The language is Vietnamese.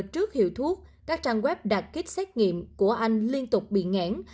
trước hiệu thuốc các trang web đặt kích xét nghiệm của anh liên tục bị ngãn